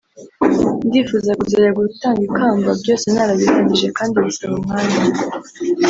ndifuza kuzajya gutanga ikamba byose narabirangije kandi bisaba umwanya